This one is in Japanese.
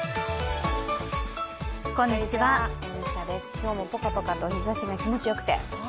今日もポカポカと日ざしが気持ちよくて。